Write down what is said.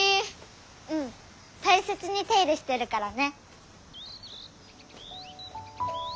うん大切に手入れしてるからね。